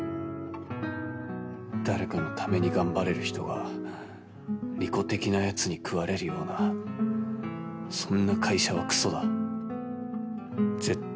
誰かのために頑張れる人が利己的なやつに食われるような常盤ちゃん